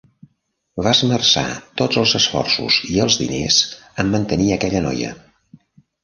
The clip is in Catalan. Va esmerçar tots els esforços i els diners en mantenir aquella noia.